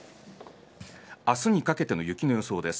明日にかけての雪の予想です。